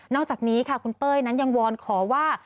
อกจากนี้ค่ะคุณเป้ยนั้นยังวอนขอว่า